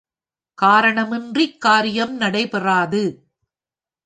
காரணம் இன்றிக் காரியம் நடைபெறாது.